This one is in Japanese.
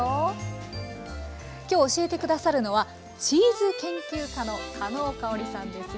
今日教えて下さるのはチーズ研究家のかのうかおりさんです。